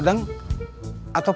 uangnya di rumah